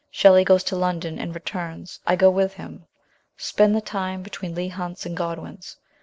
Shelley goes to London, and returns ; I go with him ; spend the time between Leigh Hunt's and Godwin's.